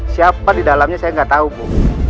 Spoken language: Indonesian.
siapa di dalamnya saya gak tau bu